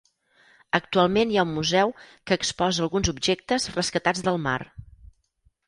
Actualment hi ha un museu que exposa alguns objectes rescatats del mar.